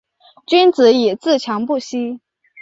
君子以自强不息